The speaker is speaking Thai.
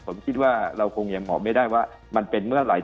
ผมคิดว่าเราคงยังบอกไม่ได้ว่ามันเป็นเมื่อไหร่